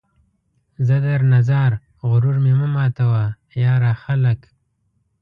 زه درنه ځار ، غرور مې مه ماتوه ، یاره ! خلک